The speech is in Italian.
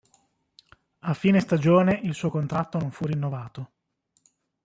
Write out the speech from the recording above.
A fine stagione, il suo contratto non fu rinnovato.